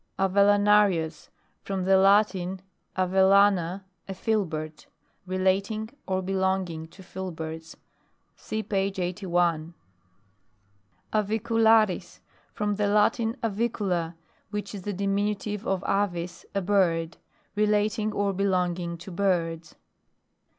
AVELLANARIUS. From the Latin, av ellana, a filbert. Relating or be longing to filberts. (See page 81.) AVICULARIS. From the Latin avicula, which is the diminutive of avis, a bird. Relating or belonging to birds.